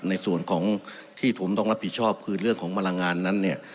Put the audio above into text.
ในส่วนของที่ผมต้องรับผิดชอบคือเรื่องของพลังงานนั้นเนี่ย